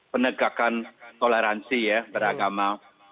penegakan toleransi ya beragama